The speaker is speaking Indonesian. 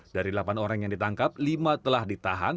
dari delapan orang yang ditangkap lima telah ditahan